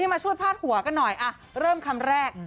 มาช่วยพาดหัวกันหน่อยเริ่มคำแรก